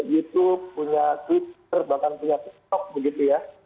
youtube punya twitter bahkan punya tiktok begitu ya